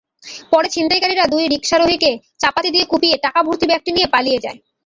পরে ছিনতাইকারীরা দুই রিকশারোহীকে চাপাতি দিয়ে কুপিয়ে টাকাভর্তি ব্যাগটি নিয়ে পালিয়ে যায়।